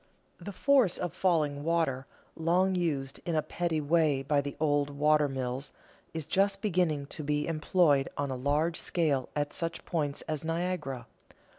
The force of falling water, long used in a petty way by the old water mills, is just beginning to be employed on a large scale at such points as Niagara.